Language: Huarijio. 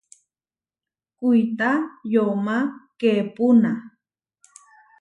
Kuitá yomá keepúna.